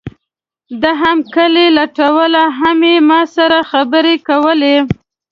ده هم کیلي لټوله هم یې ما سره خبرې کولې.